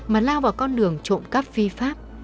mà lao vào con đường trộm cắp vi pháp